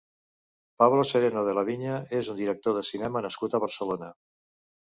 Pablo Sereno de la Viña és un director de cinema nascut a Barcelona.